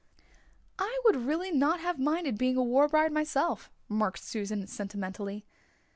"I would really not have minded being a war bride myself," remarked Susan sentimentally.